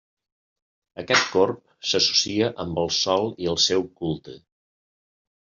Aquest corb s'associa amb el sol i el seu culte.